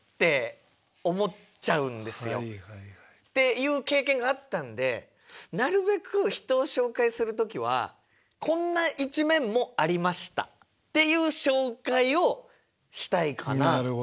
いう経験があったんでなるべく人を紹介する時は「こんな一面もありました」っていう紹介をしたいかなって。